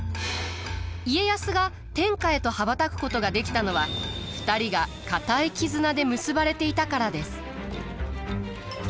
家康が天下へと羽ばたくことができたのは２人が固い絆で結ばれていたからです。